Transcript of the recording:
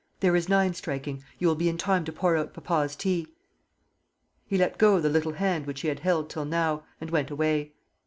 There is nine striking. You will be in time to pour out papa's tea." He let go the little hand which he had held till now, and went away.